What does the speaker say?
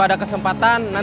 esok ini kita heran